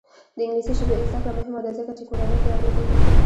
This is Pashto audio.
د انګلیسي ژبې زده کړه مهمه ده ځکه چې کورنۍ پیاوړې کوي.